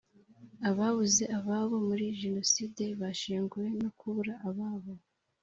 ababuze ababo muri jenoside bashenguwe nokubura ababo